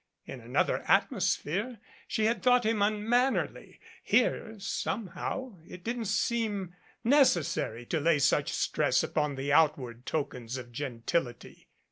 In another atmosphere she had thought him unmannerly ; here, somehow it didn't seem necessary to lay such stress upon the outward tokens of gentility.